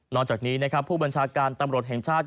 จากนี้นะครับผู้บัญชาการตำรวจแห่งชาติ